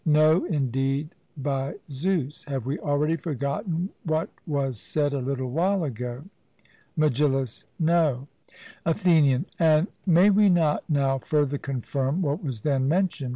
No indeed, by Zeus. Have we already forgotten what was said a little while ago? MEGILLUS: No. ATHENIAN: And may we not now further confirm what was then mentioned?